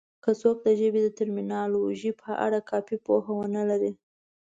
که څوک د ژبې د ټرمینالوژي په اړه کافي پوهه ونه لري